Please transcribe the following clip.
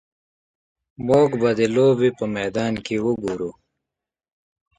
موږ به د لوبې په میدان کې وګورو